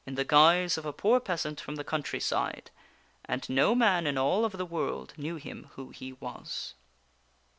comes to guise of a poor peasant from the country side, and no man in Cameliard. all of the world knew him who he was.